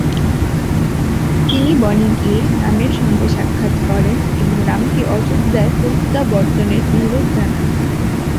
তিনি বনে গিয়ে রামের সঙ্গে সাক্ষাৎ করেন এবং রামকে অযোধ্যায় প্রত্যাবর্তনের অনুরোধ জানান।